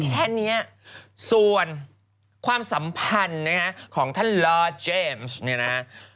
แค่เนี้ยส่วนความสัมพันธ์ของท่านลอร์ดเจมส์เนี่ยนะ